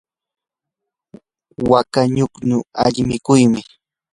waka ñukñu alli mikuymi.